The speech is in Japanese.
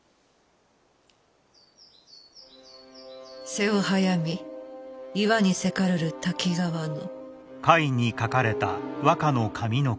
「瀬をはやみ岩にせかるる瀧川の」。